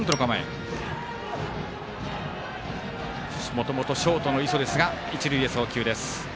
もともとショートの磯ですが一塁へ送球です。